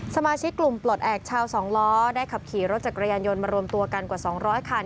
สมาชิกกลุ่มปลดแอบชาวสองล้อได้ขับขี่รถจักรยานยนต์มารวมตัวกันกว่า๒๐๐คัน